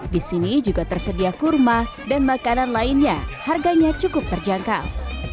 di sini juga tersedia kurma dan makanan lainnya harganya cukup terjangkau